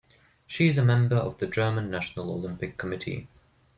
She is a member of the German National Olympic Committee.